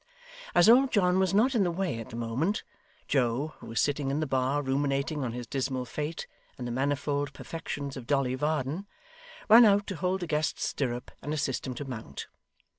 As old John was not in the way at the moment, Joe, who was sitting in the bar ruminating on his dismal fate and the manifold perfections of Dolly Varden, ran out to hold the guest's stirrup and assist him to mount.